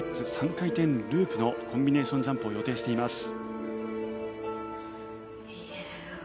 ３回転ループのコンビネーションジャンプを予定しています。